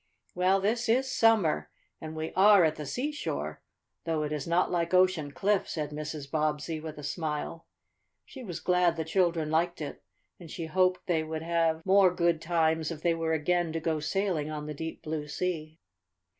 "Well, this is summer, and we are at the seashore, though it is not like Ocean Cliff," said Mrs. Bobbsey with a smile. She was glad the children liked it, and she hoped they would have more good times if they were again to go sailing on the deep, blue sea.